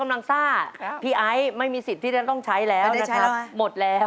กำลังส้าพี่ไอฉ์ไม่มีสิทธิ์ที่จะต้องใช้แล้วนะครับ